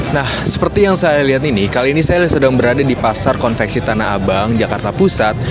nah seperti yang saya lihat ini kali ini saya sedang berada di pasar konveksi tanah abang jakarta pusat